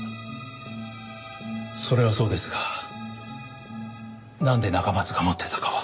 それはそうですがなんで中松が持ってたかは。